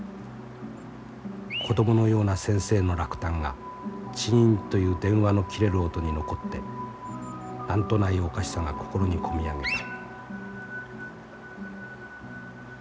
子供のような先生の落胆がチンという電話の切れる音に残って何とないおかしさが心に込み上げた」。